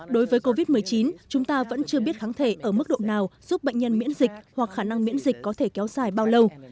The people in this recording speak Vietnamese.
đối với covid một mươi chín chúng ta vẫn chưa biết kháng thể ở mức độ nào giúp bệnh nhân miễn dịch hoặc khả năng miễn dịch có thể kéo dài bao lâu